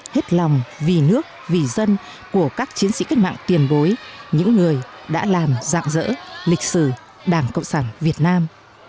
hết lòng vì nước vì dân của các chiến sĩ cách mạng tiền bối những người đã làm dạng dỡ lịch sử đảng cộng sản việt nam